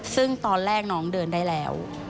ซึ่งตอนแรกน้องเดินได้แล้ว